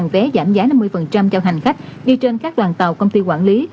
vé giảm giá năm mươi cho hành khách đi trên các đoàn tàu công ty quản lý